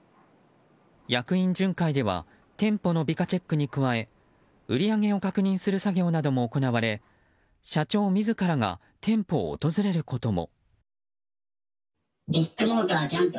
役員巡回では店舗の美化チェックに加え売り上げを確認する作業なども行われ社長自らが店舗を訪れることも。